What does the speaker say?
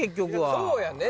そうやねん。